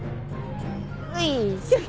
よいしょ！